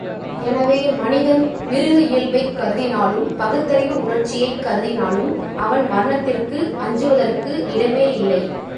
எனவே, மனிதன் மிருக இயல்பைக் கருதினாலும், பகுத்தறிவு உணர்ச்சியைக் கருதினாலும், அவன் மரணத்திற்கு அஞ்சுவதற்கு இடமேயில்லை.